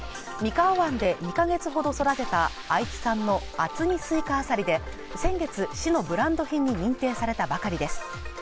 三河湾で２か月ほど育てた愛知産の渥美垂下あさりで先月市のブランド品に認定されたばかりです